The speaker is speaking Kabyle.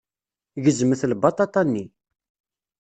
Gezmet lbaṭaṭa-nni.